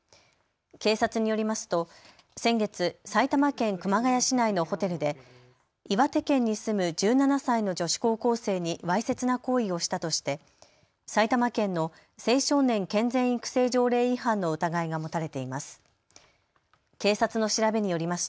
警察によりますと先月、埼玉県熊谷市内のホテルで岩手県に住む１７歳の女子高校生にわいせつな行為をしたとして埼玉県の青少年健全育成条例違反の疑いが持たれています。